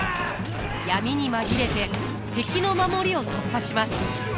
闇に紛れて敵の守りを突破します。